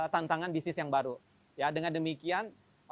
tantangan bisnis yang baru ya dengan demikian